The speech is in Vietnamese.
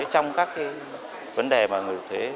trong các vấn đề mà người nộp thuế